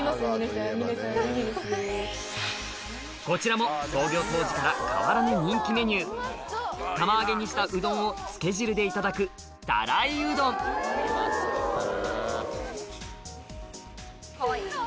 こちらも創業当時から変わらぬ人気メニュー釜揚げにしたうどんをつけ汁でいただくかわいい！